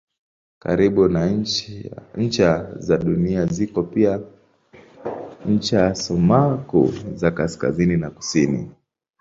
Karibu na ncha za Dunia ziko pia ncha sumaku za kaskazini na kusini.